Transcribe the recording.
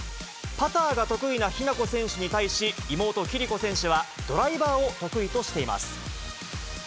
パターが得意な日向子選手に対し、妹、暉璃子選手はドライバーを得意としています。